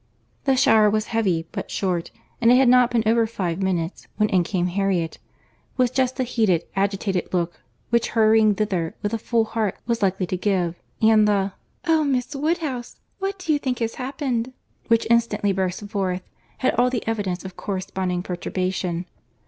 The shower was heavy, but short; and it had not been over five minutes, when in came Harriet, with just the heated, agitated look which hurrying thither with a full heart was likely to give; and the "Oh! Miss Woodhouse, what do you think has happened!" which instantly burst forth, had all the evidence of corresponding perturbation.